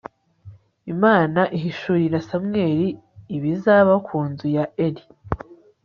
Imana ihishurira Samweli ibizaba ku nzu ya Eli